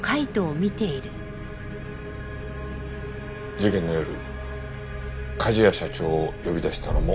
事件の夜梶谷社長を呼び出したのもお前だな？